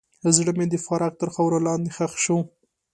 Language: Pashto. زړه مې د فراق تر خاورو لاندې ښخ شو.